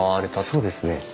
そうですね。